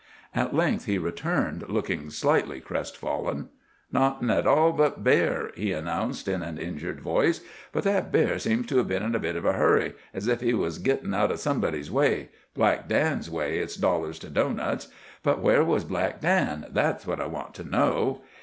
At length he returned, looking slightly crestfallen. "Nawthin' at all but bear," he announced in an injured voice. "But that bear seems to have been in a bit of a hurry, as if he was gittin' out o' somebody's way—Black Dan's way, it's dollars to doughnuts. But where was Black Dan, that's what I want to know?"